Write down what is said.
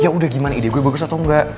ya udah gimana ide gue bagus atau enggak